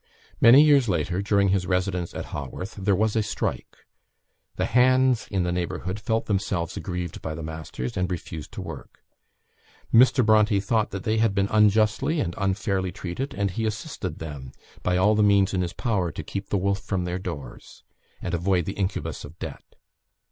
Many years later, during his residence at Haworth, there was a strike; the hands in the neighbourhood felt themselves aggrieved by the masters, and refused to work: Mr. Bronte thought that they had been unjustly and unfairly treated, and he assisted them by all the means in his power to "keep the wolf from their doors," and avoid the incubus of debt.